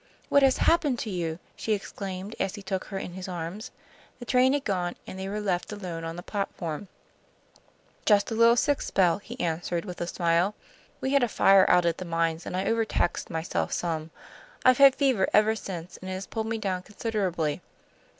What has happened to you?" she exclaimed, as he took her in his arms. The train had gone on, and they were left alone on the platform. "Just a little sick spell," he answered, with a smile. "We had a fire out at the mines, and I overtaxed myself some. I've had fever ever since, and it has pulled me down considerably."